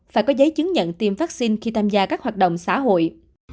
phải có giấy chứng nhận tiêm vaccine khi tham gia các hoạt động xã hội